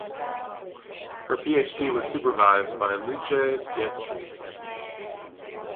Her PhD was supervised by Luce Pietri.